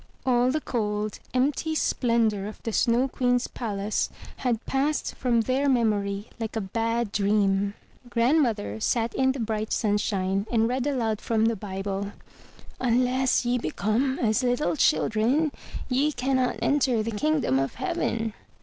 All the cold, empty splendor of the Snow Queen's palace had passed from their memory like a bad dream. Grandmother sat in the bright sunshine, and read aloud from the Bible: "Unless ye become as little children, ye cannot enter the kingdom of heaven."